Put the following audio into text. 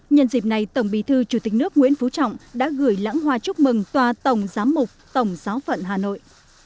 nhân dịp này tổng bí thư chủ tịch nước nguyễn phú trọng đã gửi lãng hoa chúc mừng tòa tổng giám mục tổng giáo phận hà nội